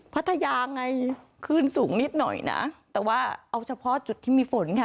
พัทยาไงคลื่นสูงนิดหน่อยนะแต่ว่าเอาเฉพาะจุดที่มีฝนค่ะ